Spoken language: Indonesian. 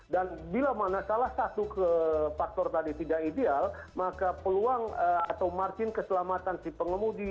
dan bila salah satu faktor tadi tidak ideal maka peluang atau margin keselamatan si pengemudi